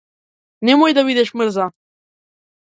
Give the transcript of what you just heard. Немој да бидеш мрза.